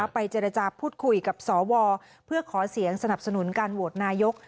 ไปเจรจาพูดคุยกับสวเพื่อขอเสียงสนับสนุนการโหวตนายก